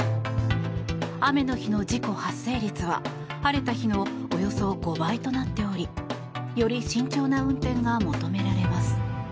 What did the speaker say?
雨の日の事故発生率は晴れた日のおよそ５倍となっておりより慎重な運転が求められます。